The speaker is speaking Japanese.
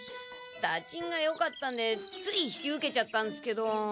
だちんがよかったんでつい引き受けちゃったんっすけど。